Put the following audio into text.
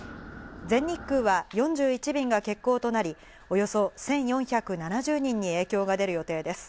全日空は４１便が欠航となり、およそ１４７０人に影響が出る予定です。